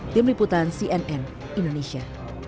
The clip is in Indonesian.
tim liputan cnn indonesia